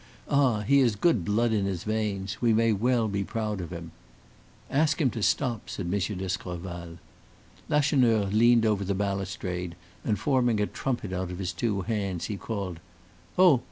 Ah! he has good blood in his veins; we may well be proud of him." "Ask him to stop," said M. d'Escorval. Lacheneur leaned over the balustrade, and, forming a trumpet out of his two hands, he called: "Oh!